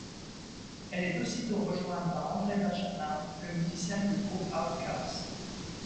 Elle est aussitôt rejointe par André Benjamin, le musicien du groupe OutKast.